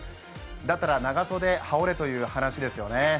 だったら長袖を羽織れという話ですよね。